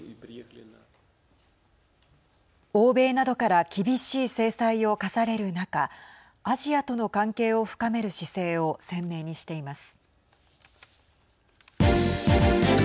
欧米などから厳しい制裁を科される中アジアとの関係を深める姿勢を鮮明にしています。